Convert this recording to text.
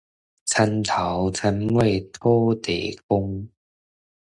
田頭田尾土地公